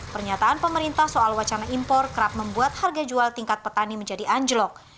pernyataan pemerintah soal wacana impor kerap membuat harga jual tingkat petani menjadi anjlok